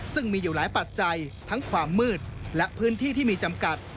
ซึ่งมีอยู่หลายปัจจัยทั้งความมืดและพื้นที่ที่มีจำกัด